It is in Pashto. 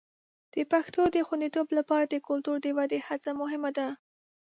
د پښتو د خوندیتوب لپاره د کلتور د ودې هڅه مهمه ده.